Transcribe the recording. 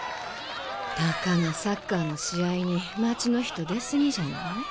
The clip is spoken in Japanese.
たかがサッカーの試合に町の人出過ぎじゃない？